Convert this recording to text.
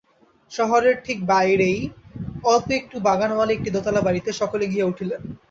শহরের ঠিক বাহিরেই অল্প একটু বাগানওয়ালা একটি দোতলা বাড়িতে সকলে গিয়া উঠিলেন।